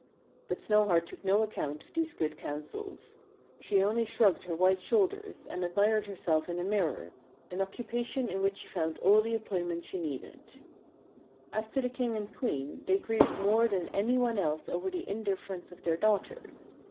But Snowheart took no account of these good counsels. She only shrugged her white shoulders, and admired herself in a mirror, — an occupation in which she found all the employ ment she needed. As to the King and Queen, they grieved more than any one else over the indifference of their daughter.